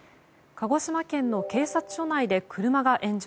鹿児島県の警察署内で車が炎上。